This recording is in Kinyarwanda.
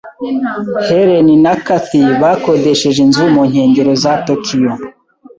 Helen na Kathy bakodesheje inzu mu nkengero za Tokiyo.